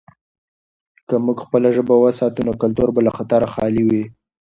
که موږ خپله ژبه وساتو، نو کلتور به له خطره خالي وي.